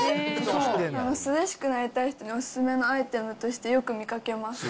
涼しくなりたい人にお勧めのアイテムとして、よく見かけます。